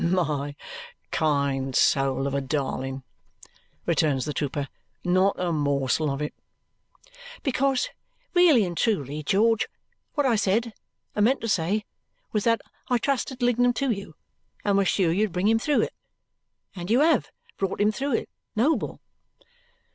"My kind soul of a darling," returns the trooper. "Not a morsel of it." "Because really and truly, George, what I said and meant to say was that I trusted Lignum to you and was sure you'd bring him through it. And you HAVE brought him through it, noble!"